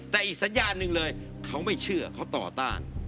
แต่อีกสัญญาณหนึ่งเลยเขาไม่เชื่อเขาต่อต้าน